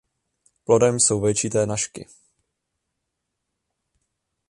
Plodem jsou vejčité nažky.